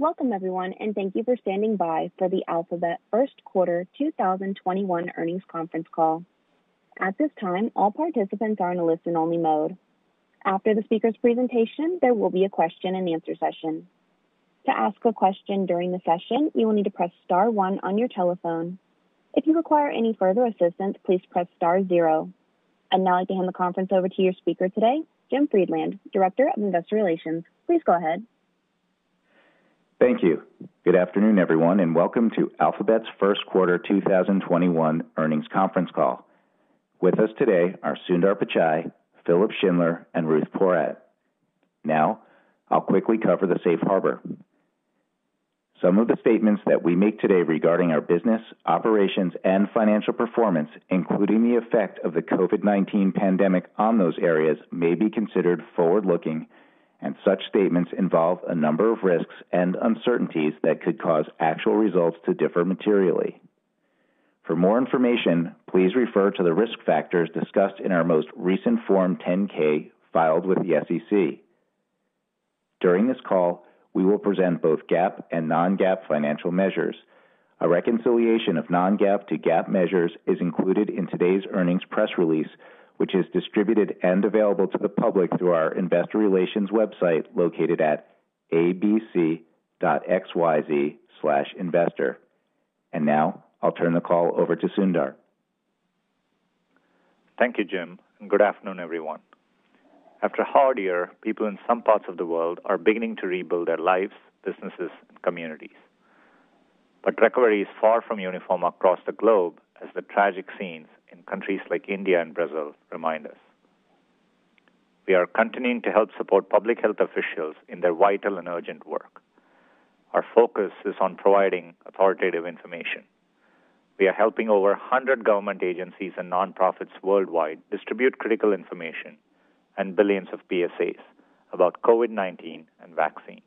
Welcome, everyone, and thank you for standing by for the Alphabet First Quarter 2021 earnings conference call. At this time, all participants are in a listen-only mode. After the speaker's presentation, there will be a question-and-answer session. To ask a question during the session, you will need to press star one on your telephone. If you require any further assistance, please press star 0. And now, I can hand the conference over to your speaker today, Jim Friedland, Director of investor relations. Please go ahead. Thank you. Good afternoon, everyone, and welcome to Alphabet's first quarter 2021 earnings conference call. With us today are Sundar Pichai, Philipp Schindler, and Ruth Porat. Now, I'll quickly cover the safe harbor. Some of the statements that we make today regarding our business, operations, and financial performance, including the effect of the COVID-19 pandemic on those areas, may be considered forward-looking, and such statements involve a number of risks and uncertainties that could cause actual results to differ materially. For more information, please refer to the risk factors discussed in our most recent Form 10-K filed with the SEC. During this call, we will present both GAAP and non-GAAP financial measures. A reconciliation of non-GAAP to GAAP measures is included in today's earnings press release, which is distributed and available to the public through our Investor Relations website located at abc.xyz/investor. Now, I'll turn the call over to Sundar. Thank you, Jim. And good afternoon, everyone. After a hard year, people in some parts of the world are beginning to rebuild their lives, businesses, and communities. But recovery is far from uniform across the globe, as the tragic scenes in countries like India and Brazil remind us. We are continuing to help support public health officials in their vital and urgent work. Our focus is on providing authoritative information. We are helping over 100 government agencies and nonprofits worldwide distribute critical information and billions of PSAs about COVID-19 and vaccines.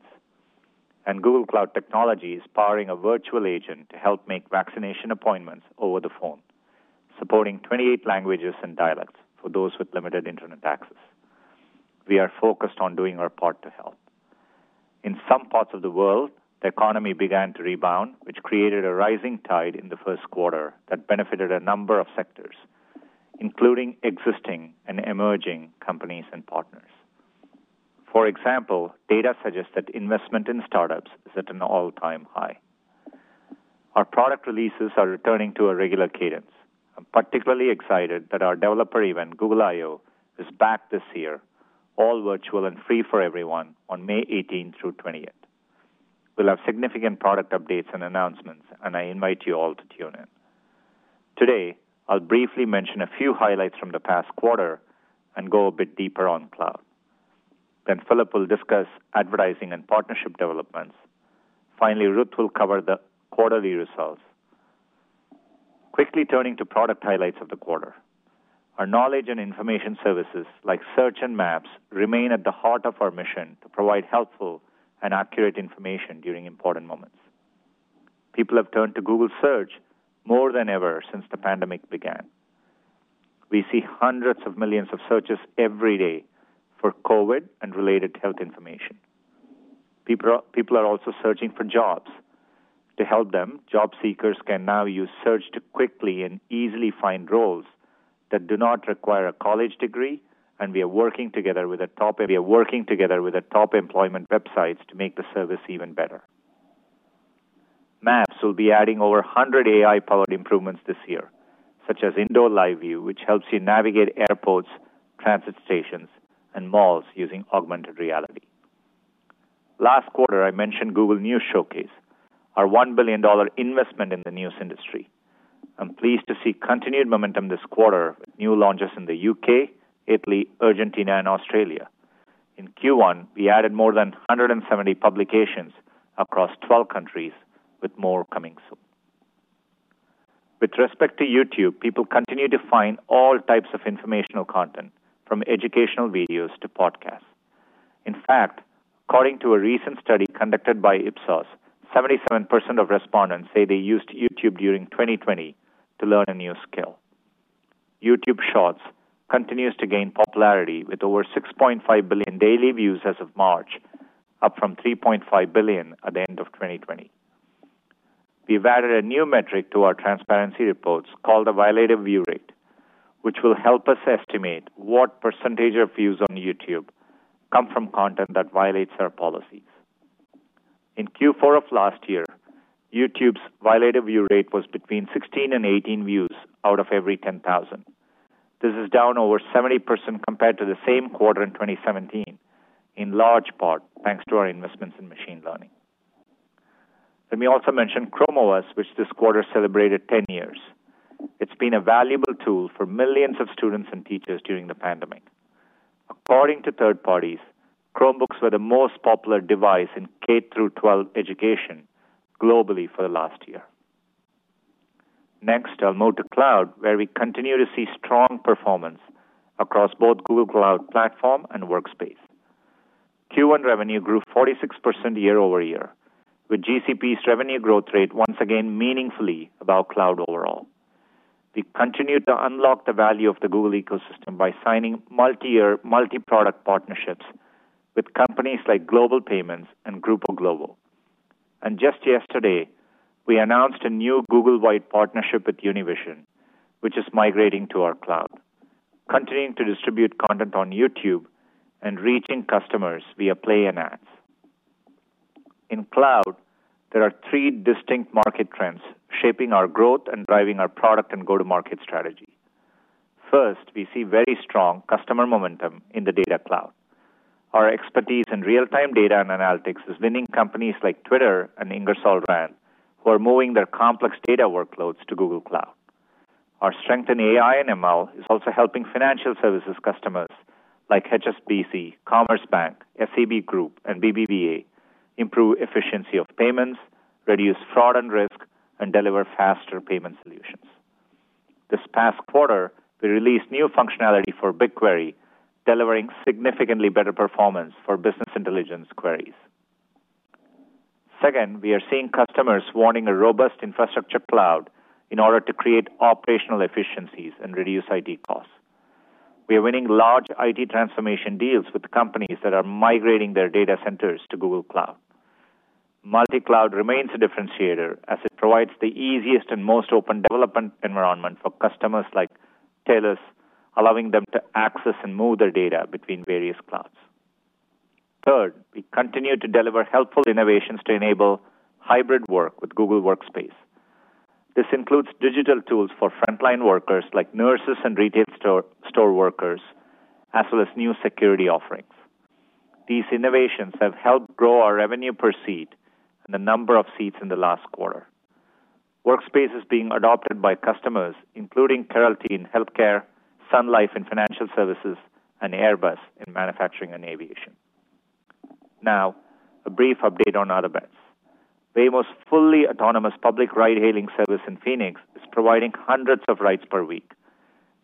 And Google Cloud technology is powering a virtual agent to help make vaccination appointments over the phone, supporting 28 languages and dialects for those with limited internet access. We are focused on doing our part to help. In some parts of the world, the economy began to rebound, which created a rising tide in the first quarter that benefited a number of sectors, including existing and emerging companies and partners. For example, data suggests that investment in startups is at an all-time high. Our product releases are returning to a regular cadence. I'm particularly excited that our developer event, Google I/O, is back this year, all virtual and free for everyone on May 18th through 20th. We'll have significant product updates and announcements, and I invite you all to tune in. Today, I'll briefly mention a few highlights from the past quarter and go a bit deeper on Cloud. Then Philipp will discuss advertising and partnership developments. Finally, Ruth will cover the quarterly results. Quickly turning to product highlights of the quarter, our knowledge and information services, like Search and Maps, remain at the heart of our mission to provide helpful and accurate information during important moments. People have turned to Google Search more than ever since the pandemic began. We see hundreds of millions of searches every day for COVID and related health information. People are also searching for jobs. To help them, job seekers can now use Search to quickly and easily find roles that do not require a college degree, and we are working together with top employment websites to make the service even better. Maps will be adding over 100 AI-powered improvements this year, such as Indoor Live View, which helps you navigate airports, transit stations, and malls using augmented reality. Last quarter, I mentioned Google News Showcase, our $1 billion investment in the news industry. I'm pleased to see continued momentum this quarter with new launches in the UK, Italy, Argentina, and Australia. In Q1, we added more than 170 publications across 12 countries, with more coming soon. With respect to YouTube, people continue to find all types of informational content, from educational videos to podcasts. In fact, according to a recent study conducted by Ipsos, 77% of respondents say they used YouTube during 2020 to learn a new skill. YouTube Shorts continues to gain popularity with over 6.5 billion daily views as of March, up from 3.5 billion at the end of 2020. We've added a new metric to our transparency reports called the Violative View Rate, which will help us estimate what percentage of views on YouTube come from content that violates our policies. In Q4 of last year, YouTube's violative view rate was between 16 and 18 views out of every 10,000. This is down over 70% compared to the same quarter in 2017, in large part thanks to our investments in machine learning. Let me also mention Chrome OS, which this quarter celebrated 10 years. It's been a valuable tool for millions of students and teachers during the pandemic. According to third parties, Chromebooks were the most popular device in K through 12 education globally for the last year. Next, I'll move to cloud, where we continue to see strong performance across both Google Cloud Platform and Workspace. Q1 revenue grew 46% year over year, with GCP's revenue growth rate once again meaningfully above Cloud overall. We continue to unlock the value of the Google ecosystem by signing multi-year, multi-product partnerships with companies like Global Payments and Grupo Globo. And just yesterday, we announced a new Google-wide partnership with Univision, which is migrating to our Cloud, continuing to distribute content on YouTube and reaching customers via Play and Ads. In Cloud, there are three distinct market trends shaping our growth and driving our product and go-to-market strategy. First, we see very strong customer momentum in the data cloud. Our expertise in real-time data and analytics is winning companies like Twitter and Ingersoll Rand, who are moving their complex data workloads to Google Cloud. Our strength in AI and ML is also helping financial services customers like HSBC, Commerzbank, SEB Group, and BBVA improve efficiency of payments, reduce fraud and risk, and deliver faster payment solutions. This past quarter, we released new functionality for BigQuery, delivering significantly better performance for business intelligence queries. Second, we are seeing customers wanting a robust infrastructure cloud in order to create operational efficiencies and reduce IT costs. We are winning large IT transformation deals with companies that are migrating their data centers to Google Cloud. Multi-cloud remains a differentiator as it provides the easiest and most open development environment for customers like TELUS, allowing them to access and move their data between various clouds. Third, we continue to deliver helpful innovations to enable hybrid work with Google Workspace. This includes digital tools for frontline workers like nurses and retail store workers, as well as new security offerings. These innovations have helped grow our revenue per seat and the number of seats in the last quarter. Workspace is being adopted by customers, including Kyruus in health care, Sun Life in financial services, and Airbus in manufacturing and aviation. Now, a brief update on our bets. Waymo's fully autonomous public ride-hailing service in Phoenix is providing hundreds of rides per week.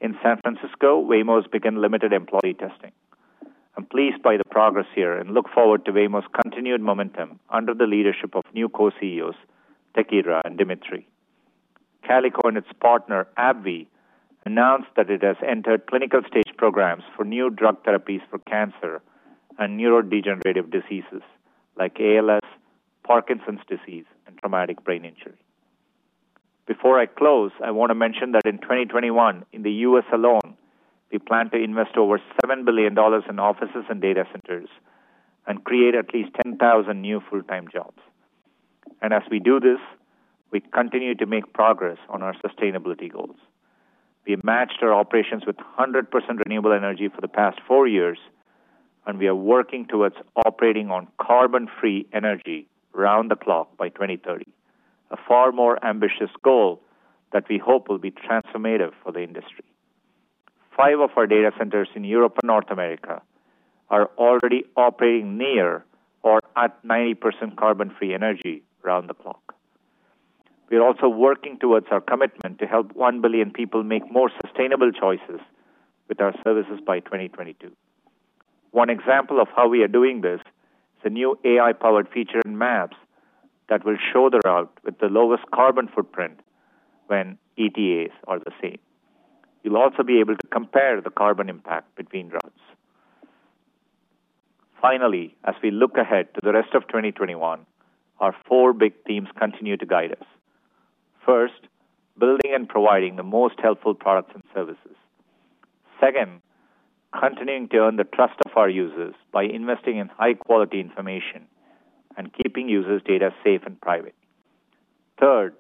In San Francisco, Waymo has begun limited employee testing. I'm pleased by the progress here and look forward to Waymo's continued momentum under the leadership of new co-CEOs Tekedra and Dmitri. Calico and its partner AbbVie announced that it has entered clinical stage programs for new drug therapies for cancer and neurodegenerative diseases like ALS, Parkinson's disease, and traumatic brain injury. Before I close, I want to mention that in 2021, in the US alone, we plan to invest over $7 billion in offices and data centers and create at least 10,000 new full-time jobs, and as we do this, we continue to make progress on our sustainability goals. We matched our operations with 100% renewable energy for the past four years, and we are working towards operating on carbon-free energy around the clock by 2030, a far more ambitious goal that we hope will be transformative for the industry. Five of our data centers in Europe and North America are already operating near or at 90% carbon-free energy around the clock. We're also working towards our commitment to help 1 billion people make more sustainable choices with our services by 2022. One example of how we are doing this is a new AI-powered feature in Maps that will show the route with the lowest carbon footprint when ETAs are the same. You'll also be able to compare the carbon impact between routes. Finally, as we look ahead to the rest of 2021, our four big themes continue to guide us. First, building and providing the most helpful products and services. Second, continuing to earn the trust of our users by investing in high-quality information and keeping users' data safe and private. Third,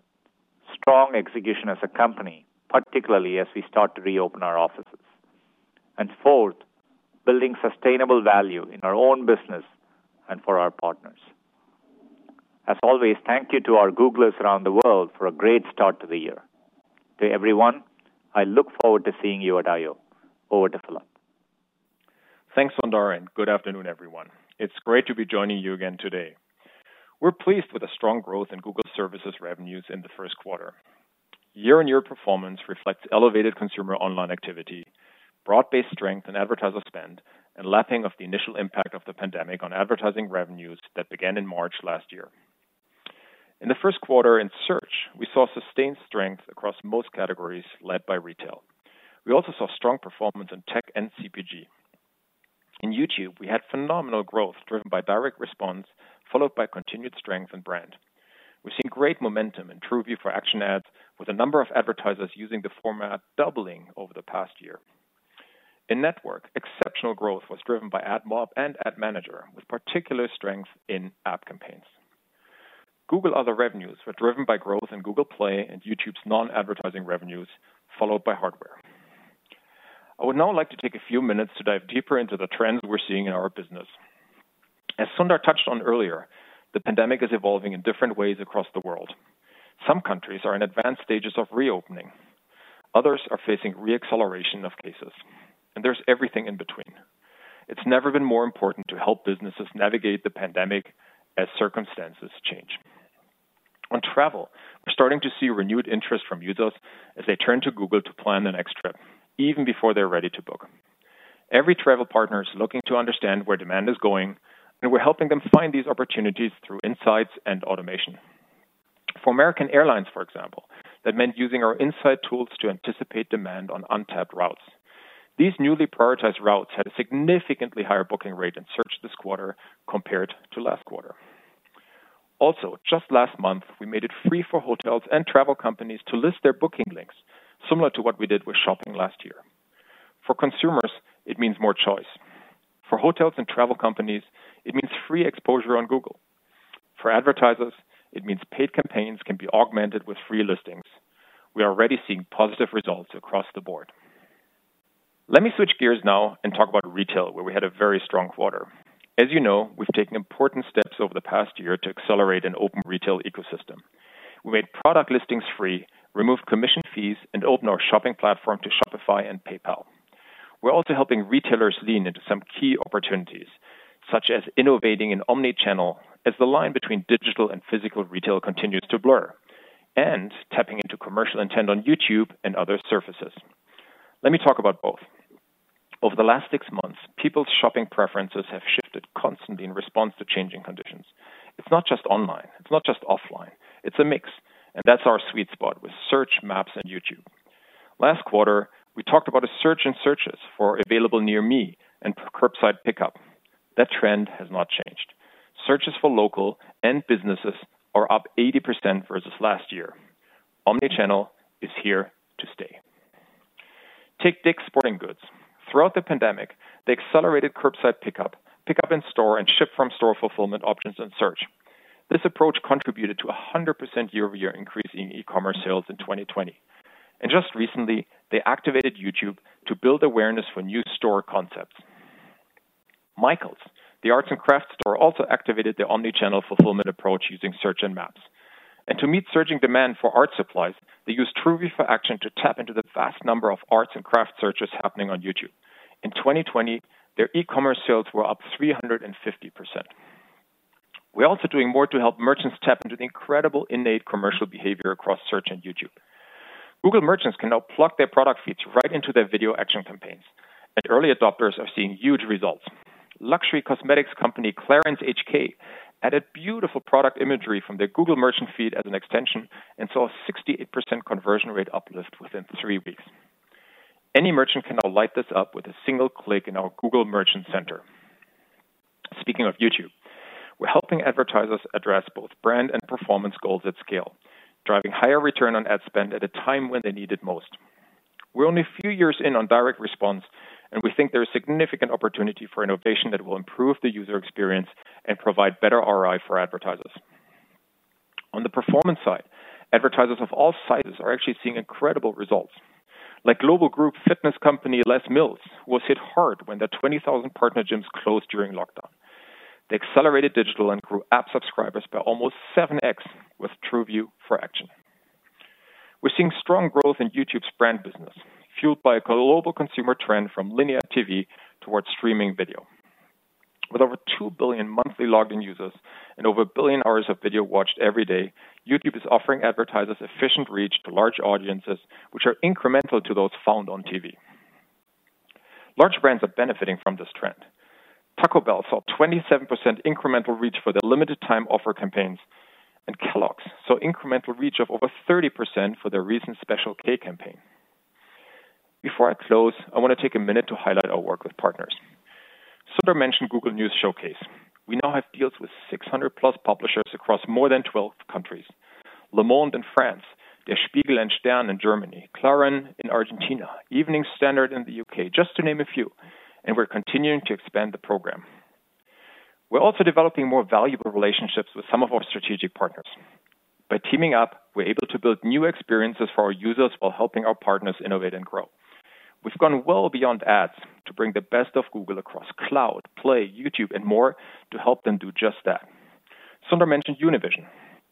strong execution as a company, particularly as we start to reopen our offices. And fourth, building sustainable value in our own business and for our partners. As always, thank you to our Googlers around the world for a great start to the year. To everyone, I look forward to seeing you at I/O. Over to Philipp. Thanks, Sundar. And good afternoon, everyone. It's great to be joining you again today. We're pleased with the strong growth in Google Services revenues in the first quarter. Year-on-year performance reflects elevated consumer online activity, broad-based strength in advertiser spend, and lapping of the initial impact of the pandemic on advertising revenues that began in March last year. In the first quarter, in Search, we saw sustained strength across most categories led by retail. We also saw strong performance in tech and CPG. In YouTube, we had phenomenal growth driven by direct response followed by continued strength in brand. We've seen great momentum in TrueView for Action Ads, with a number of advertisers using the format doubling over the past year. In Network, exceptional growth was driven by AdMob and Ad Manager, with particular strength in App campaigns. Google Other Revenues were driven by growth in Google Play and YouTube's non-advertising revenues, followed by hardware. I would now like to take a few minutes to dive deeper into the trends we're seeing in our business. As Sundar touched on earlier, the pandemic is evolving in different ways across the world. Some countries are in advanced stages of reopening. Others are facing re-acceleration of cases, and there's everything in between. It's never been more important to help businesses navigate the pandemic as circumstances change. On travel, we're starting to see renewed interest from users as they turn to Google to plan the next trip, even before they're ready to book. Every travel partner is looking to understand where demand is going, and we're helping them find these opportunities through insights and automation. For American Airlines, for example, that meant using our insight tools to anticipate demand on untapped routes. These newly prioritized routes had a significantly higher booking rate in Search this quarter compared to last quarter. Also, just last month, we made it free for hotels and travel companies to list their booking links, similar to what we did with shopping last year. For consumers, it means more choice. For hotels and travel companies, it means free exposure on Google. For advertisers, it means paid campaigns can be augmented with free listings. We are already seeing positive results across the board. Let me switch gears now and talk about retail, where we had a very strong quarter. As you know, we've taken important steps over the past year to accelerate an open retail ecosystem. We made product listings free, removed commission fees, and opened our shopping platform to Shopify and PayPal. We're also helping retailers lean into some key opportunities, such as innovating in omnichannel, as the line between digital and physical retail continues to blur, and tapping into commercial intent on YouTube and other surfaces. Let me talk about both. Over the last six months, people's shopping preferences have shifted constantly in response to changing conditions. It's not just online. It's not just offline. It's a mix. And that's our sweet spot with Search, Maps, and YouTube. Last quarter, we talked about a surge in searches for "Available Near Me" and "Curbside Pickup." That trend has not changed. Searches for local businesses are up 80% versus last year. Omnichannel is here to stay. Take Dick's Sporting Goods. Throughout the pandemic, they accelerated curbside pickup, pickup in store, and ship-from-store fulfillment options in Search. This approach contributed to a 100% year-over-year increase in e-commerce sales in 2020. Just recently, they activated YouTube to build awareness for new store concepts. Michaels, the arts and crafts store, also activated the omnichannel fulfillment approach using Search and Maps. To meet surging demand for art supplies, they used TrueView for Action to tap into the vast number of arts and crafts searches happening on YouTube. In 2020, their e-commerce sales were up 350%. We're also doing more to help merchants tap into the incredible innate commercial behavior across Search and YouTube. Google merchants can now plug their product feeds right into their Video action campaigns. Early adopters are seeing huge results. Luxury cosmetics company Clarins HK added beautiful product imagery from their Google Merchant feed as an extension and saw a 68% conversion rate uplift within three weeks. Any merchant can now light this up with a single click in our Google Merchant Center. Speaking of YouTube, we're helping advertisers address both brand and performance goals at scale, driving higher return on ad spend at a time when they need it most. We're only a few years in on direct response, and we think there is significant opportunity for innovation that will improve the user experience and provide better ROI for advertisers. On the performance side, advertisers of all sizes are actually seeing incredible results. Like global group fitness company Les Mills was hit hard when their 20,000 partner gyms closed during lockdown. They accelerated digital and grew app subscribers by almost 7X with TrueView for Action. We're seeing strong growth in YouTube's brand business, fueled by a global consumer trend from linear TV towards streaming video. With over two billion monthly logged-in users and over a billion hours of video watched every day, YouTube is offering advertisers efficient reach to large audiences, which are incremental to those found on TV. Large brands are benefiting from this trend. Taco Bell saw 27% incremental reach for their limited-time offer campaigns, and Kellogg's saw incremental reach of over 30% for their recent Special K campaign. Before I close, I want to take a minute to highlight our work with partners. Sundar mentioned Google News Showcase. We now have deals with 600-plus publishers across more than 12 countries: Le Monde in France, Der Spiegel and Stern in Germany, Clarín in Argentina, Evening Standard in the UK, just to name a few, and we're continuing to expand the program. We're also developing more valuable relationships with some of our strategic partners. By teaming up, we're able to build new experiences for our users while helping our partners innovate and grow. We've gone well beyond Ads to bring the best of Google across Cloud, Play, YouTube, and more to help them do just that. Sundar mentioned Univision.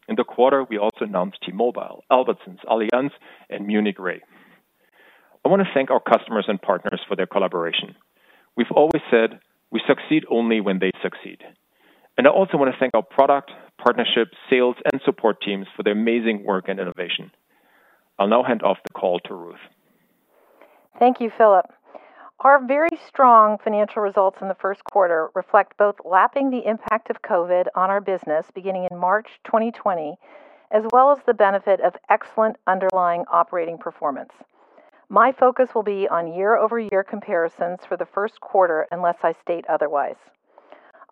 In the quarter, we also announced T-Mobile, Albertsons, Allianz, and Munich Re. I want to thank our customers and partners for their collaboration. We've always said, "We succeed only when they succeed," and I also want to thank our product, partnership, sales, and support teams for their amazing work and innovation. I'll now hand off the call to Ruth. Thank you, Philipp. Our very strong financial results in the first quarter reflect both lapping the impact of COVID on our business beginning in March 2020, as well as the benefit of excellent underlying operating performance. My focus will be on year-over-year comparisons for the first quarter, unless I state otherwise.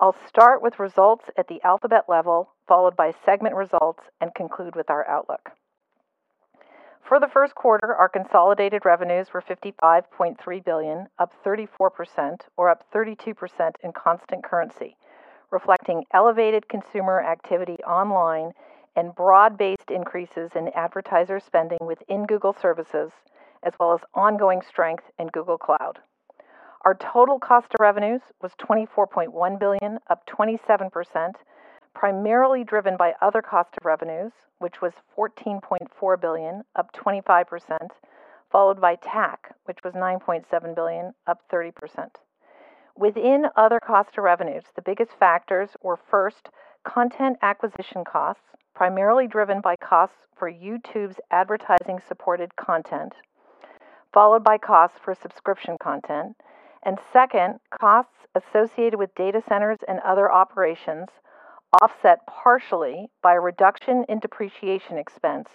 I'll start with results at the Alphabet level, followed by segment results, and conclude with our outlook. For the first quarter, our consolidated revenues were $55.3 billion, up 34%, or up 32% in constant currency, reflecting elevated consumer activity online and broad-based increases in advertiser spending within Google Services, as well as ongoing strength in Google Cloud. Our total cost of revenues was $24.1 billion, up 27%, primarily driven by other cost of revenues, which was $14.4 billion, up 25%, followed by TAC, which was $9.7 billion, up 30%. Within other cost of revenues, the biggest factors were first, content acquisition costs, primarily driven by costs for YouTube's advertising-supported content, followed by costs for subscription content, and second, costs associated with data centers and other operations offset partially by a reduction in depreciation expense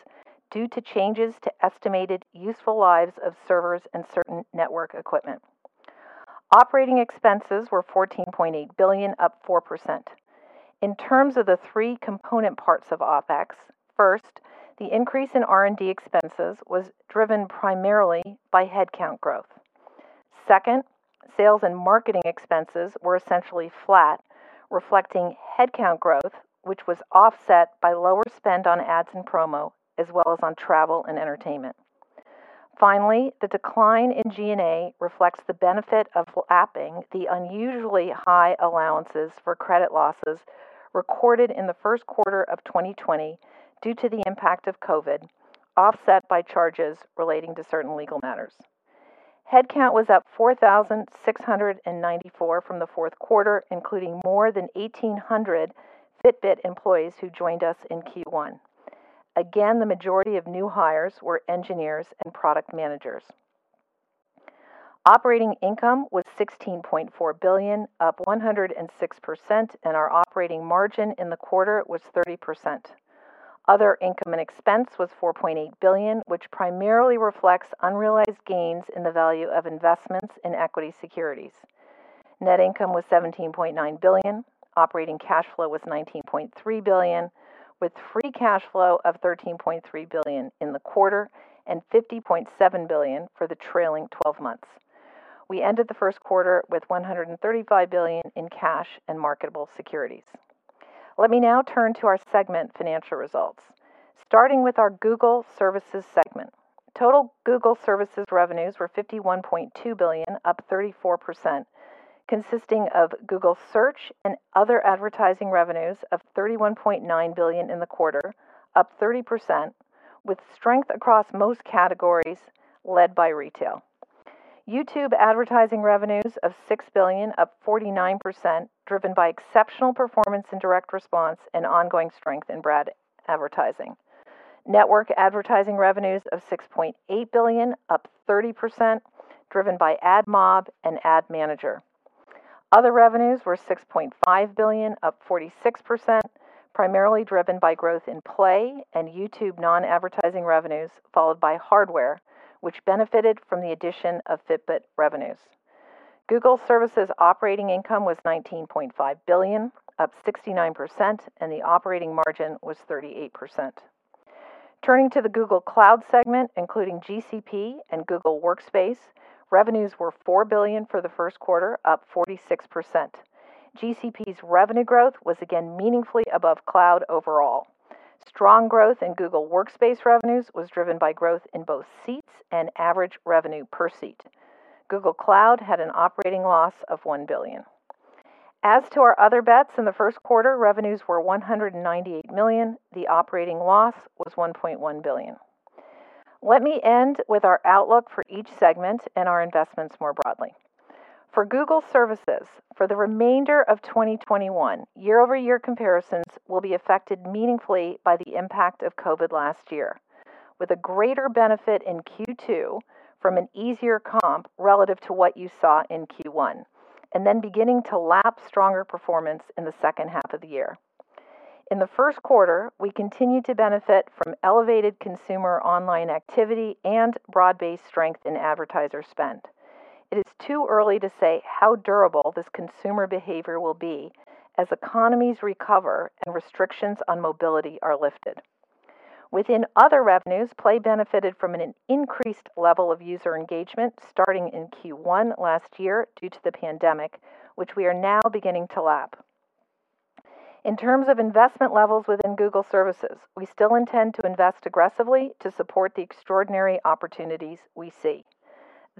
due to changes to estimated useful lives of servers and certain network equipment. Operating expenses were $14.8 billion, up 4%. In terms of the three component parts of OpEx, first, the increase in R&D expenses was driven primarily by headcount growth. Second, sales and marketing expenses were essentially flat, reflecting headcount growth, which was offset by lower spend on Ads and promo, as well as on travel and entertainment. Finally, the decline in G&A reflects the benefit of lapping the unusually high allowances for credit losses recorded in the first quarter of 2020 due to the impact of COVID, offset by charges relating to certain legal matters. Headcount was up 4,694 from the fourth quarter, including more than 1,800 Fitbit employees who joined us in Q1. Again, the majority of new hires were engineers and product managers. Operating income was $16.4 billion, up 106%, and our operating margin in the quarter was 30%. Other income and expense was $4.8 billion, which primarily reflects unrealized gains in the value of investments in equity securities. Net income was $17.9 billion. Operating cash flow was $19.3 billion, with free cash flow of $13.3 billion in the quarter and $50.7 billion for the trailing 12 months. We ended the first quarter with $135 billion in cash and marketable securities. Let me now turn to our segment financial results, starting with our Google Services segment. Total Google Services revenues were $51.2 billion, up 34%, consisting of Google Search and other advertising revenues of $31.9 billion in the quarter, up 30%, with strength across most categories led by retail. YouTube advertising revenues of $6 billion, up 49%, driven by exceptional performance in direct response and ongoing strength in advertising. Network advertising revenues of $6.8 billion, up 30%, driven by AdMob and Ad Manager. Other revenues were $6.5 billion, up 46%, primarily driven by growth in Play and YouTube non-advertising revenues, followed by hardware, which benefited from the addition of Fitbit revenues. Google Services operating income was $19.5 billion, up 69%, and the operating margin was 38%. Turning to the Google Cloud segment, including GCP and Google Workspace, revenues were $4 billion for the first quarter, up 46%. GCP's revenue growth was again meaningfully above Cloud overall. Strong growth in Google Workspace revenues was driven by growth in both seats and average revenue per seat. Google Cloud had an operating loss of $1 billion. As to our Other Bets in the first quarter, revenues were $198 million. The operating loss was $1.1 billion. Let me end with our outlook for each segment and our investments more broadly. For Google Services, for the remainder of 2021, year-over-year comparisons will be affected meaningfully by the impact of COVID last year, with a greater benefit in Q2 from an easier comp relative to what you saw in Q1, and then beginning to lap stronger performance in the second half of the year. In the first quarter, we continue to benefit from elevated consumer online activity and broad-based strength in advertiser spend. It is too early to say how durable this consumer behavior will be as economies recover and restrictions on mobility are lifted. Within other revenues, Play benefited from an increased level of user engagement starting in Q1 last year due to the pandemic, which we are now beginning to lap. In terms of investment levels within Google Services, we still intend to invest aggressively to support the extraordinary opportunities we see.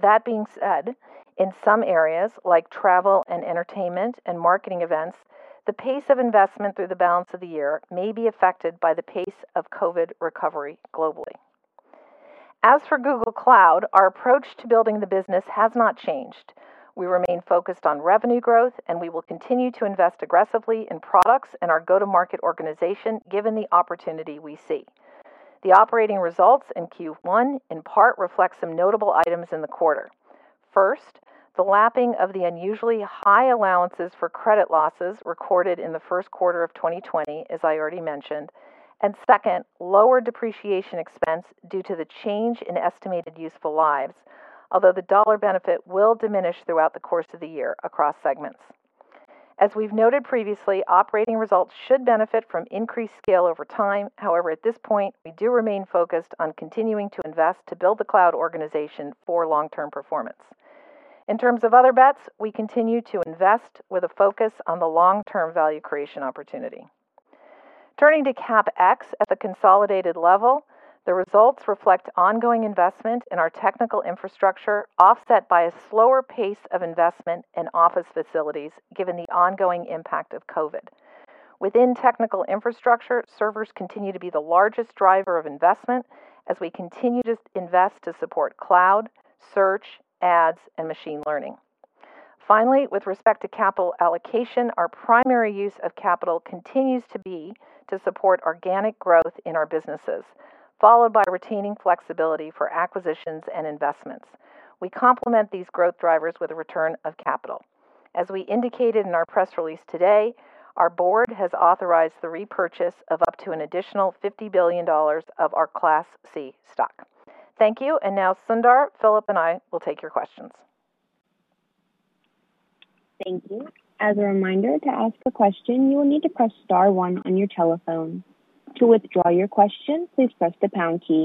That being said, in some areas like travel and entertainment and marketing events, the pace of investment through the balance of the year may be affected by the pace of COVID recovery globally. As for Google Cloud, our approach to building the business has not changed. We remain focused on revenue growth, and we will continue to invest aggressively in products and our go-to-market organization given the opportunity we see. The operating results in Q1 in part reflect some notable items in the quarter. First, the lapping of the unusually high allowances for credit losses recorded in the first quarter of 2020, as I already mentioned, and second, lower depreciation expense due to the change in estimated useful lives, although the dollar benefit will diminish throughout the course of the year across segments. As we've noted previously, operating results should benefit from increased scale over time. However, at this point, we do remain focused on continuing to invest to build the Cloud organization for long-term performance. In terms of Other Bets, we continue to invest with a focus on the long-term value creation opportunity. Turning to CapEx at the consolidated level, the results reflect ongoing investment in our technical infrastructure, offset by a slower pace of investment in office facilities given the ongoing impact of COVID. Within technical infrastructure, servers continue to be the largest driver of investment as we continue to invest to support Cloud, search, Ads, and machine learning. Finally, with respect to capital allocation, our primary use of capital continues to be to support organic growth in our businesses, followed by retaining flexibility for acquisitions and investments. We complement these growth drivers with a return of capital. As we indicated in our press release today, our board has authorized the repurchase of up to an additional $50 billion of our Class C stock. Thank you, and now, Sundar, Philipp, and I will take your questions. Thank you. As a reminder, to ask a question, you will need to press star one on your telephone. To withdraw your question, please press the pound key,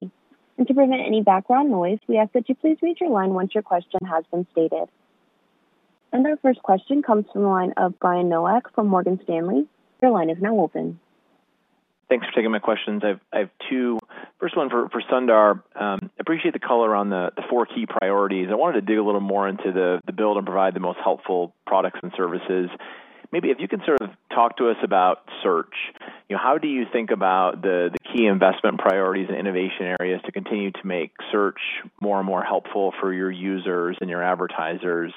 and to prevent any background noise, we ask that you please raise your line once your question has been stated, and our first question comes from the line of Brian Nowak from Morgan Stanley. Your line is now open. Thanks for taking my questions. I have two. First one for Sundar. I appreciate the color on the four key priorities. I wanted to dig a little more into the build and provide the most helpful products and services. Maybe if you could sort of talk to us about search, how do you think about the key investment priorities and innovation areas to continue to make search more and more helpful for your users and your advertisers?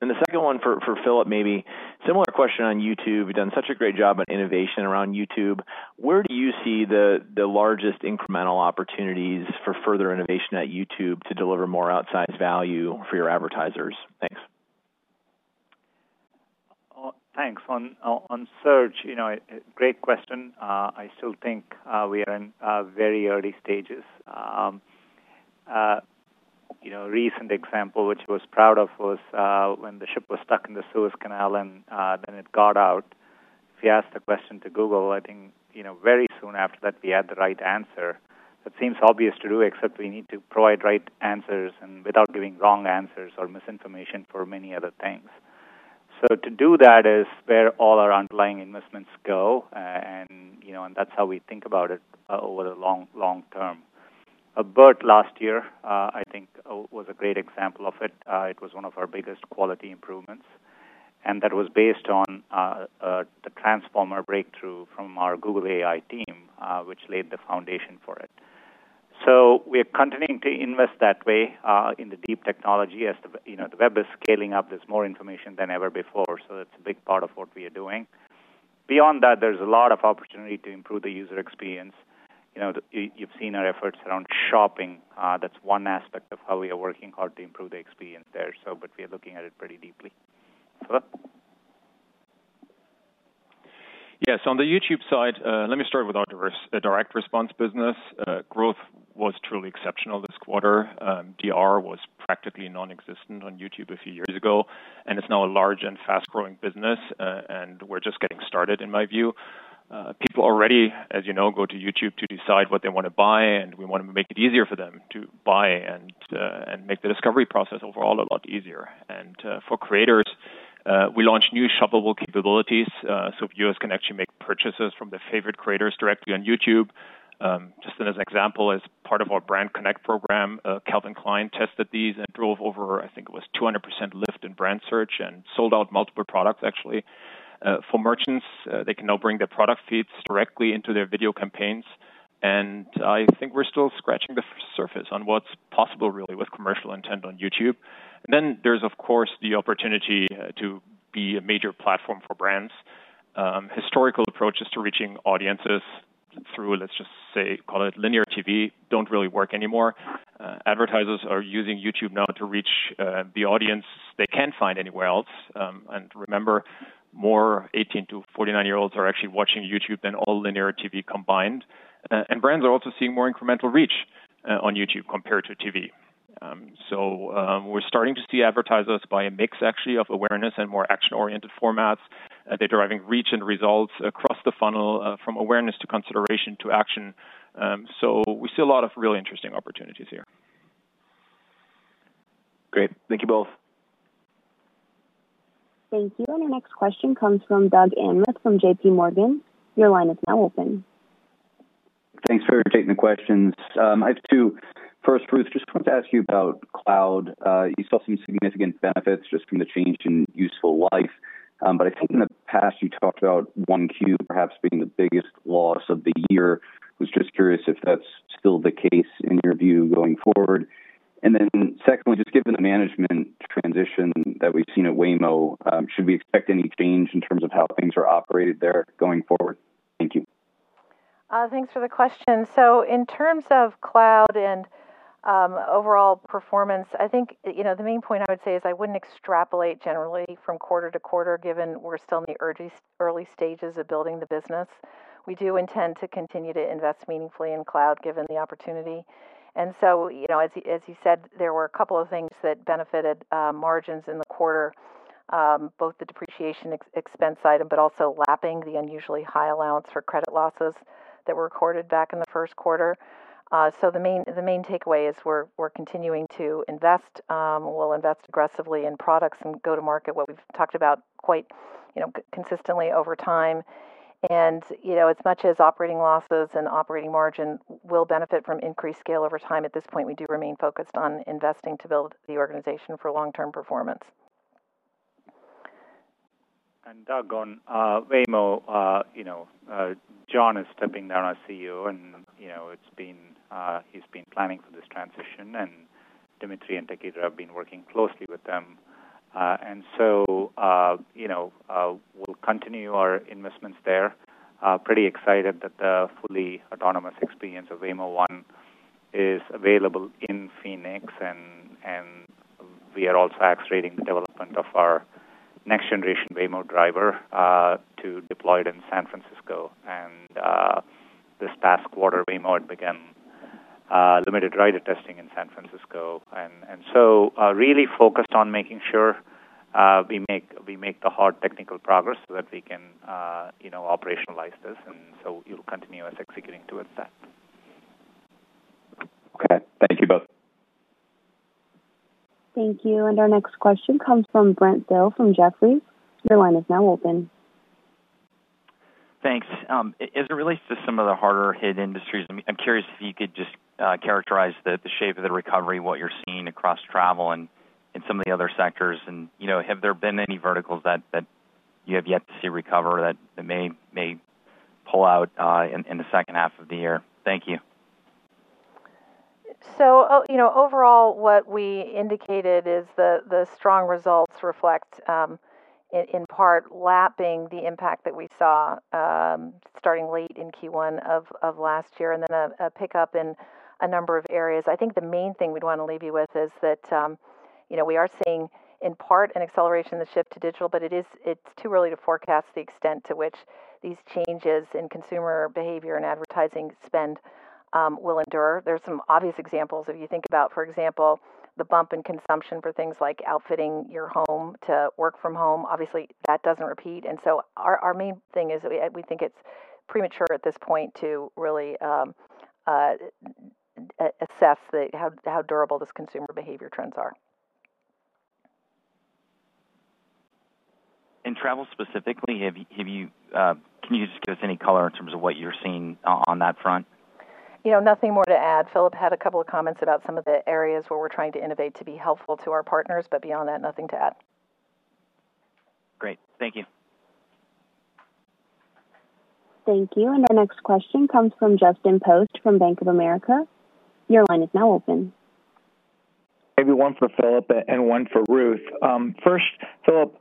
And the second one for Philip, maybe similar question on YouTube. You've done such a great job on innovation around YouTube. Where do you see the largest incremental opportunities for further innovation at YouTube to deliver more outsized value for your advertisers? Thanks. Thanks. On search, great question. I still think we are in very early stages. A recent example which I was proud of was when the ship was stuck in the Suez Canal and then it got out. If you ask the question to Google, I think very soon after that, we had the right answer. That seems obvious to do, except we need to provide right answers without giving wrong answers or misinformation for many other things. So to do that is where all our underlying investments go, and that's how we think about it over the long term. BERT last year, I think, was a great example of it. It was one of our biggest quality improvements, and that was based on the transformer breakthrough from our Google AI team, which laid the foundation for it, so we are continuing to invest that way in the deep technology. The web is scaling up. There's more information than ever before, so that's a big part of what we are doing. Beyond that, there's a lot of opportunity to improve the user experience. You've seen our efforts around shopping. That's one aspect of how we are working hard to improve the experience there, but we are looking at it pretty deeply. Philipp? Yes. On the YouTube side, let me start with our direct response business. Growth was truly exceptional this quarter. DR was practically nonexistent on YouTube a few years ago, and it's now a large and fast-growing business, and we're just getting started, in my view. People already, as you know, go to YouTube to decide what they want to buy, and we want to make it easier for them to buy and make the discovery process overall a lot easier. For creators, we launched new shoppable capabilities so viewers can actually make purchases from their favorite creators directly on YouTube. Just as an example, as part of our BrandConnect program, Calvin Klein tested these and drove over, I think it was 200% lift in brand search and sold out multiple products, actually. For merchants, they can now bring their product feeds directly into their video campaigns. I think we're still scratching the surface on what's possible, really, with commercial intent on YouTube. And then there's, of course, the opportunity to be a major platform for brands. Historical approaches to reaching audiences through, let's just say, call it linear TV, don't really work anymore. Advertisers are using YouTube now to reach the audience they can't find anywhere else. And remember, more 18-49-year-olds are actually watching YouTube than all linear TV combined. And brands are also seeing more incremental reach on YouTube compared to TV. So we're starting to see advertisers buy a mix, actually, of awareness and more action-oriented formats. They're driving reach and results across the funnel from awareness to consideration to action. So we see a lot of really interesting opportunities here. Great. Thank you both. Thank you. And our next question comes from Doug Anmuth from JPMorgan. Your line is now open. Thanks for taking the questions. I have two. First, Ruth, just wanted to ask you about Cloud. You saw some significant benefits just from the change in useful life. But I think in the past, you talked about Q1 perhaps being the biggest loss of the year. I was just curious if that's still the case in your view going forward. And then secondly, just given the management transition that we've seen at Waymo, should we expect any change in terms of how things are operated there going forward? Thank you. Thanks for the question. So in terms of Cloud and overall performance, I think the main point I would say is I wouldn't extrapolate generally from quarter to quarter, given we're still in the early stages of building the business. We do intend to continue to invest meaningfully in Cloud given the opportunity. And so, as you said, there were a couple of things that benefited margins in the quarter, both the depreciation expense item, but also lapping the unusually high allowance for credit losses that were recorded back in the first quarter. So the main takeaway is we're continuing to invest. We'll invest aggressively in products and go to market what we've talked about quite consistently over time. As much as operating losses and operating margin will benefit from increased scale over time, at this point, we do remain focused on investing to build the organization for long-term performance. Doug on Waymo, John is stepping down as CEO, and he's been planning for this transition. Dmitri and Tekedra have been working closely with them. We'll continue our investments there. Pretty excited that the fully autonomous experience of Waymo One is available in Phoenix. We are also accelerating the development of our next-generation Waymo Driver to deploy it in San Francisco. This past quarter, Waymo had begun limited rider testing in San Francisco. Really focused on making sure we make the hard technical progress so that we can operationalize this. We'll continue executing towards that. Okay. Thank you both. Thank you. And our next question comes from Brent Thill from Jefferies. Your line is now open. Thanks. As it relates to some of the harder-hit industries, I'm curious if you could just characterize the shape of the recovery, what you're seeing across travel and some of the other sectors. And have there been any verticals that you have yet to see recover that may pull out in the second half of the year? Thank you. So overall, what we indicated is the strong results reflect, in part, lapping the impact that we saw starting late in Q1 of last year and then a pickup in a number of areas. I think the main thing we'd want to leave you with is that we are seeing, in part, an acceleration in the shift to digital, but it's too early to forecast the extent to which these changes in consumer behavior and advertising spend will endure. There are some obvious examples. If you think about, for example, the bump in consumption for things like outfitting your home to work from home, obviously, that doesn't repeat. And so our main thing is we think it's premature at this point to really assess how durable these consumer behavior trends are. And travel specifically, can you just give us any color in terms of what you're seeing on that front? Nothing more to add. Philipp had a couple of comments about some of the areas where we're trying to innovate to be helpful to our partners, but beyond that, nothing to add. Great. Thank you. Thank you. And our next question comes from Justin Post from Bank of America. Your line is now open. Maybe one for Philipp and one for Ruth. First, Philipp,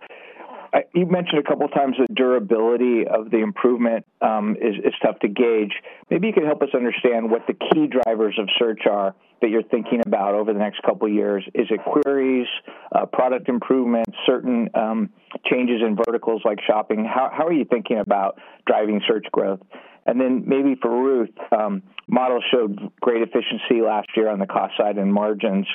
you mentioned a couple of times that durability of the improvement is tough to gauge. Maybe you could help us understand what the key drivers of search are that you're thinking about over the next couple of years. Is it queries, product improvements, certain changes in verticals like shopping? How are you thinking about driving search growth? And then maybe for Ruth, models showed great efficiency last year on the cost side and margins.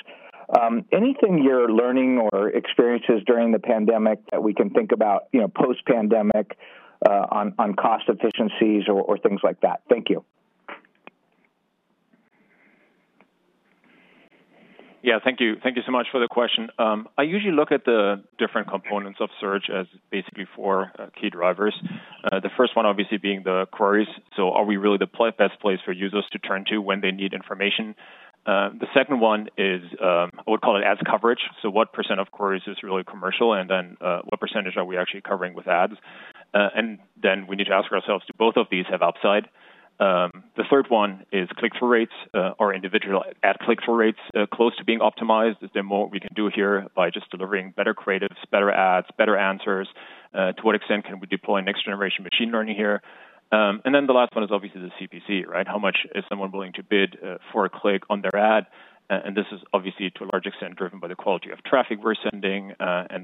Anything you're learning or experiences during the pandemic that we can think about post-pandemic on cost efficiencies or things like that? Thank you. Yeah. Thank you so much for the question. I usually look at the different components of search as basically four key drivers. The first one, obviously, being the queries. So are we really the best place for users to turn to when they need information? The second one is I would call it Ads coverage. So what percent of queries is really commercial, and then what percentage are we actually covering with Ads? And then we need to ask ourselves, do both of these have upside? The third one is click-through rates or individual ad click-through rates close to being optimized? Is there more we can do here by just delivering better creatives, better Ads, better answers? To what extent can we deploy next-generation machine learning here? And then the last one is obviously the CPC, right? How much is someone willing to bid for a click on their ad? This is obviously, to a large extent, driven by the quality of traffic we're sending.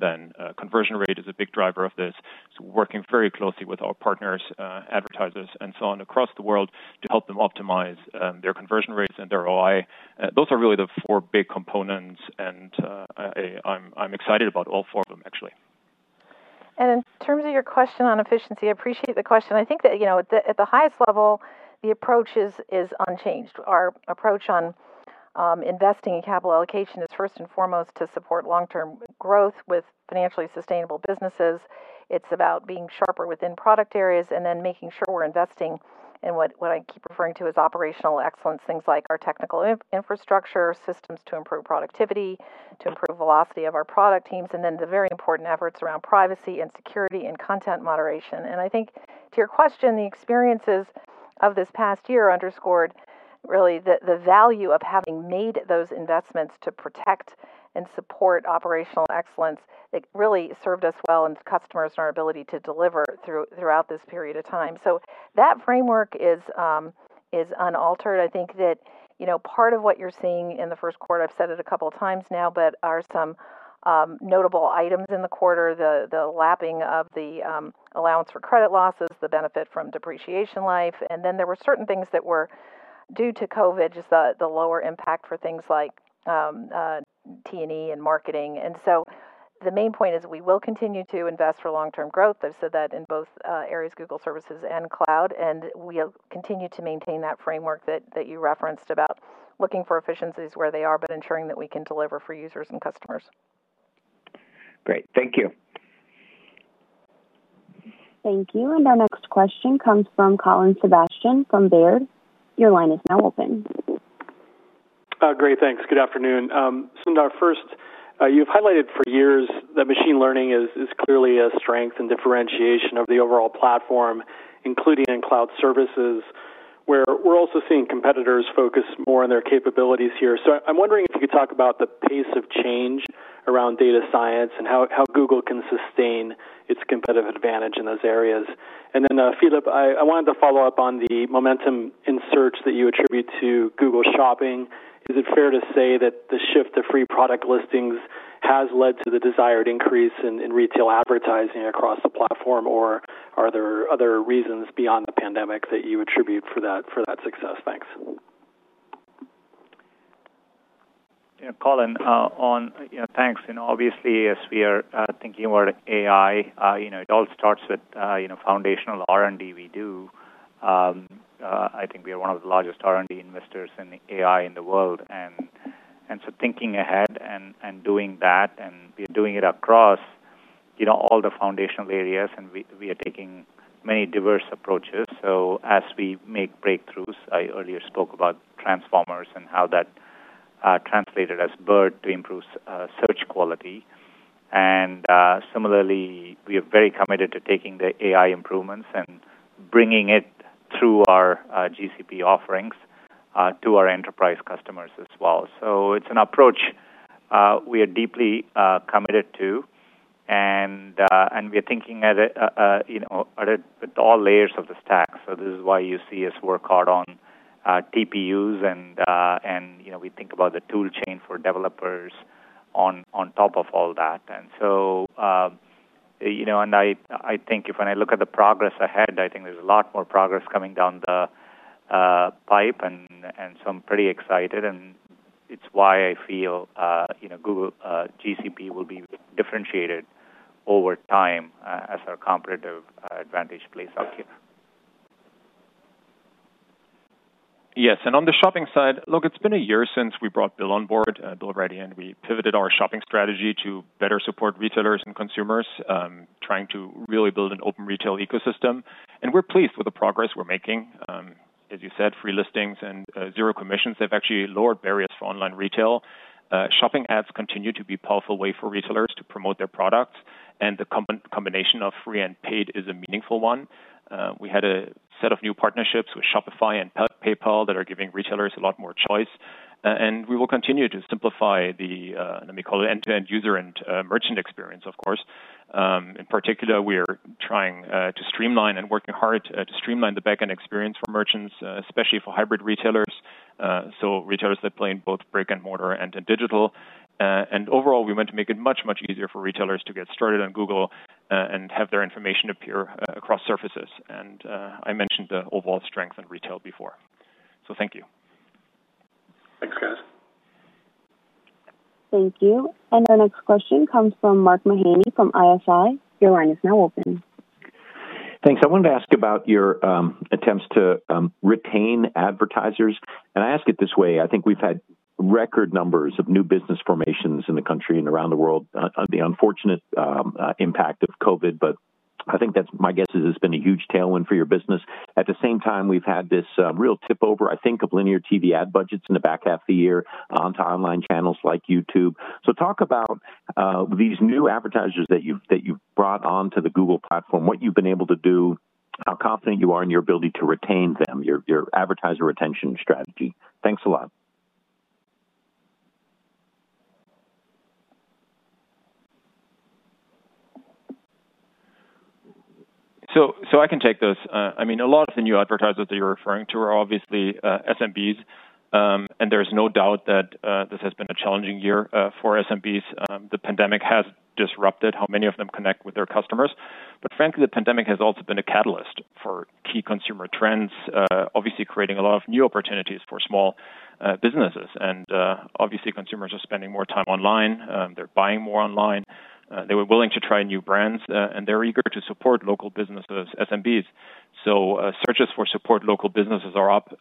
Then conversion rate is a big driver of this. Working very closely with our partners, advertisers, and so on across the world to help them optimize their conversion rates and their ROI. Those are really the four big components, and I'm excited about all four of them, actually. In terms of your question on efficiency, I appreciate the question. I think that at the highest level, the approach is unchanged. Our approach on investing in capital allocation is first and foremost to support long-term growth with financially sustainable businesses. It's about being sharper within product areas and then making sure we're investing in what I keep referring to as operational excellence, things like our technical infrastructure, systems to improve productivity, to improve velocity of our product teams, and then the very important efforts around privacy and security and content moderation. And I think to your question, the experiences of this past year underscored really the value of having made those investments to protect and support operational excellence. It really served us well and customers and our ability to deliver throughout this period of time. So that framework is unaltered. I think that part of what you're seeing in the first quarter. I've said it a couple of times now, but there are some notable items in the quarter: the lapping of the allowance for credit losses, the benefit from depreciation life. And then there were certain things that were due to COVID, just the lower impact for things like T&E and marketing. And so the main point is we will continue to invest for long-term growth. I've said that in both areas, Google Services and Cloud, and we'll continue to maintain that framework that you referenced about looking for efficiencies where they are, but ensuring that we can deliver for users and customers. Great. Thank you. Thank you. And our next question comes from Colin Sebastian from Baird. Your line is now open. Great. Thanks. Good afternoon. So in our first, you've highlighted for years that machine learning is clearly a strength and differentiation of the overall platform, including in Cloud services, where we're also seeing competitors focus more on their capabilities here. So I'm wondering if you could talk about the pace of change around data science and how Google can sustain its competitive advantage in those areas. And then, Philipp, I wanted to follow up on the momentum in search that you attribute to Google Shopping. Is it fair to say that the shift to free product listings has led to the desired increase in retail advertising across the platform, or are there other reasons beyond the pandemic that you attribute for that success? Thanks. Yeah. Colin, thanks. Obviously, as we are thinking about AI, it all starts with foundational R&D we do. I think we are one of the largest R&D investors in AI in the world, and so thinking ahead and doing that, and we are doing it across all the foundational areas, and we are taking many diverse approaches. So as we make breakthroughs, I earlier spoke about transformers and how that translated as BERT to improve search quality. And similarly, we are very committed to taking the AI improvements and bringing it through our GCP offerings to our enterprise customers as well. So it's an approach we are deeply committed to, and we are thinking at all layers of the stack. So this is why you see us work hard on TPUs, and we think about the toolchain for developers on top of all that. And so I think when I look at the progress ahead, I think there's a lot more progress coming down the pipe, and so I'm pretty excited. And it's why I feel Google GCP will be differentiated over time as our competitive advantage plays out here. Yes. On the shopping side, look, it's been a year since we brought Bill on board, Bill Ready, and we pivoted our shopping strategy to better support retailers and consumers, trying to really build an open retail ecosystem. We're pleased with the progress we're making. As you said, free listings and zero commissions have actually lowered barriers for online retail. Shopping Ads continue to be a powerful way for retailers to promote their products, and the combination of free and paid is a meaningful one. We had a set of new partnerships with Shopify and PayPal that are giving retailers a lot more choice. We will continue to simplify the, let me call it, end-to-end user and merchant experience, of course. In particular, we are trying to streamline and working hard to streamline the back-end experience for merchants, especially for hybrid retailers, so retailers that play in both brick and mortar and digital. And overall, we want to make it much, much easier for retailers to get started on Google and have their information appear across surfaces. And I mentioned the overall strength in retail before. So thank you. Thanks, guys. Thank you. And our next question comes from Mark Mahaney from ISI. Your line is now open. Thanks. I wanted to ask about your attempts to retain advertisers. And I ask it this way. I think we've had record numbers of new business formations in the country and around the world under the unfortunate impact of COVID, but I think my guess is it's been a huge tailwind for your business. At the same time, we've had this real tip over, I think, of linear TV ad budgets in the back half of the year onto online channels like YouTube. So talk about these new advertisers that you've brought onto the Google platform, what you've been able to do, how confident you are in your ability to retain them, your advertiser retention strategy? Thanks a lot. So I can take this. I mean, a lot of the new advertisers that you're referring to are obviously SMBs, and there is no doubt that this has been a challenging year for SMBs. The pandemic has disrupted how many of them connect with their customers. But frankly, the pandemic has also been a catalyst for key consumer trends, obviously creating a lot of new opportunities for small businesses. And obviously, consumers are spending more time online. They're buying more online. They were willing to try new brands, and they're eager to support local businesses, SMBs. So searches for support local businesses are up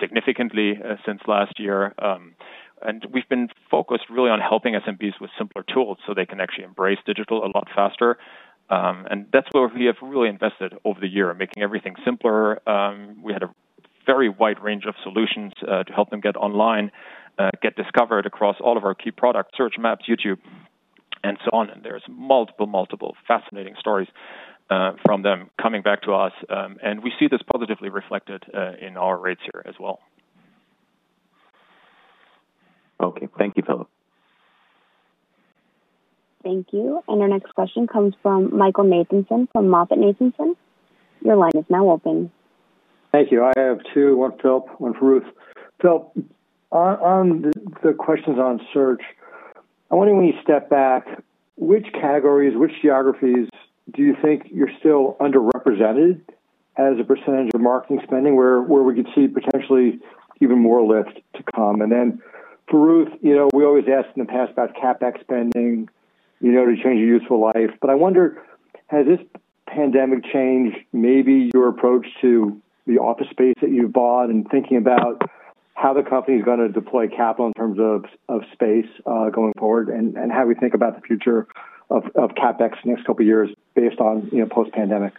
significantly since last year. And we've been focused really on helping SMBs with simpler tools so they can actually embrace digital a lot faster. And that's where we have really invested over the year, making everything simpler. We had a very wide range of solutions to help them get online, get discovered across all of our key products, Search, Maps, YouTube, and so on. And there are multiple, multiple fascinating stories from them coming back to us. And we see this positively reflected in our rates here as well. Okay. Thank you, Philipp. Thank you. And our next question comes from Michael Nathanson from MoffettNathanson. Your line is now open. Thank you. I have two. One for Philipp, one for Ruth. Philipp, on the questions on search, I wonder when you step back, which categories, which geographies do you think you're still underrepresented as a percentage of marketing spending where we could see potentially even more lift to come? And then for Ruth, we always asked in the past about CapEx spending to change your useful life. But I wonder, has this pandemic changed maybe your approach to the office space that you bought and thinking about how the company is going to deploy capital in terms of space going forward and how we think about the future of CapEx in the next couple of years based on post-pandemic?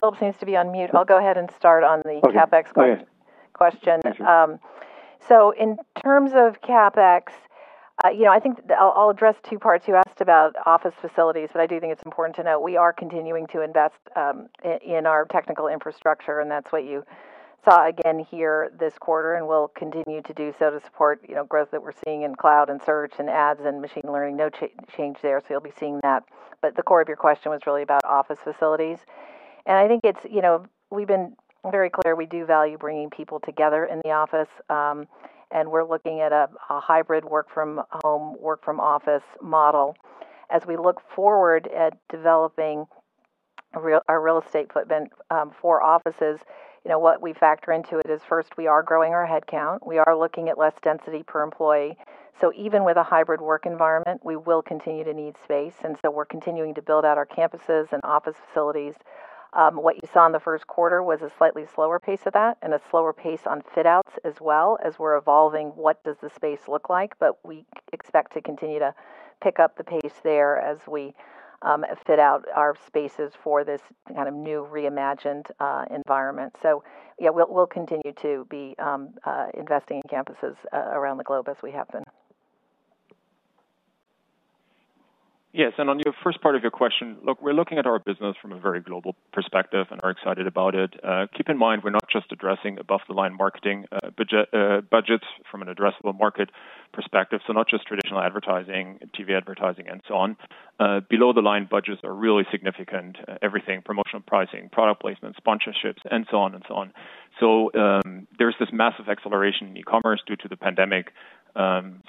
Philipp seems to be on mute. I'll go ahead and start on the CapEx question. Okay. Thank you. In terms of CapEx, I think I'll address two parts. You asked about office facilities, but I do think it's important to note we are continuing to invest in our technical infrastructure, and that's what you saw again here this quarter, and we'll continue to do so to support growth that we're seeing in Cloud and search and Ads and machine learning. No change there, so you'll be seeing that. But the core of your question was really about office facilities. I think we've been very clear we do value bringing people together in the office, and we're looking at a hybrid work-from-home, work-from-office model. As we look forward at developing our real estate footprint for offices, what we factor into it is first, we are growing our headcount. We are looking at less density per employee. So even with a hybrid work environment, we will continue to need space. And so we're continuing to build out our campuses and office facilities. What you saw in the first quarter was a slightly slower pace of that and a slower pace on fit-outs as well, as we're evolving what does the space look like. But we expect to continue to pick up the pace there as we fit out our spaces for this kind of new reimagined environment. So yeah, we'll continue to be investing in campuses around the globe as we have been. Yes. And on your first part of your question, look, we're looking at our business from a very global perspective and are excited about it. Keep in mind we're not just addressing above-the-line marketing budgets from an addressable market perspective. So not just traditional advertising, TV advertising, and so on. Below-the-line budgets are really significant: everything, promotional pricing, product placements, sponsorships, and so on and so on. So there's this massive acceleration in e-commerce due to the pandemic.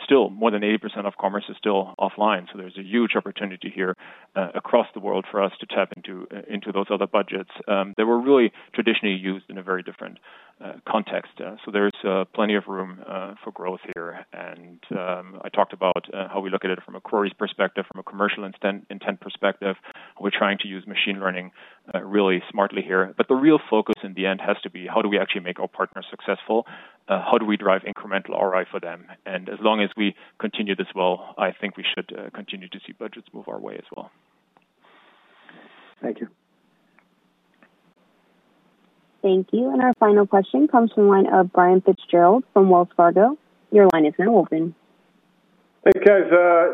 Still, more than 80% of commerce is still offline. So there's a huge opportunity here across the world for us to tap into those other budgets that were really traditionally used in a very different context. So there's plenty of room for growth here. And I talked about how we look at it from a query's perspective, from a commercial intent perspective. We're trying to use machine learning really smartly here. But the real focus in the end has to be how do we actually make our partners successful? How do we drive incremental ROI for them? And as long as we continue this well, I think we should continue to see budgets move our way as well. Thank you. Thank you. And our final question comes from Brian Fitzgerald from Wells Fargo. Your line is now open. Hey, guys.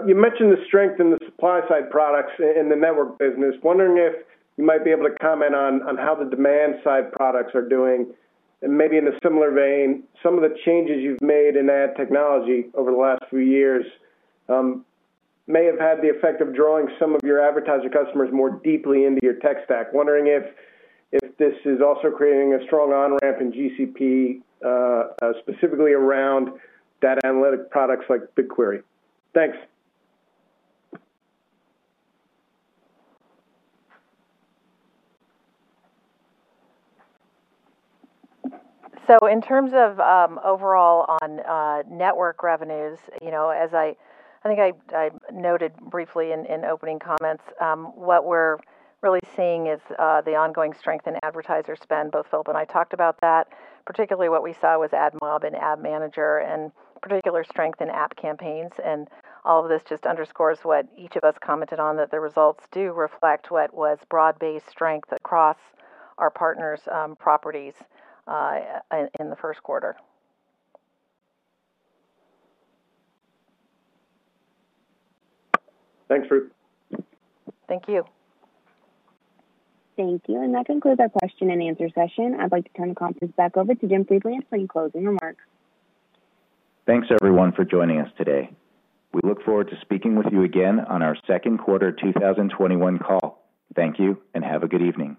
You mentioned the strength in the supply-side products in the Network business. Wondering if you might be able to comment on how the demand-side products are doing. And maybe in a similar vein, some of the changes you've made in ad technology over the last few years may have had the effect of drawing some of your advertiser customers more deeply into your tech stack. Wondering if this is also creating a strong on-ramp in GCP, specifically around data analytic products like BigQuery. Thanks. In terms of overall on-network revenues, as I think I noted briefly in opening comments, what we're really seeing is the ongoing strength in advertiser spend. Both Philipp and I talked about that. Particularly, what we saw was AdMob and Ad Manager and particular strength in App campaigns. All of this just underscores what each of us commented on, that the results do reflect what was broad-based strength across our partners' properties in the first quarter. Thanks, Ruth. Thank you. Thank you. And that concludes our question and answer session. I'd like to turn the conference back over to Jim Friedland for any closing remarks. Thanks, everyone, for joining us today. We look forward to speaking with you again on our second quarter 2021 call. Thank you, and have a good evening.